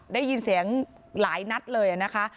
ได้ยินเสียงหลายนัดเลยนะคะ